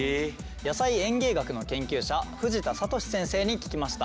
野菜園芸学の研究者藤田智先生に聞きました。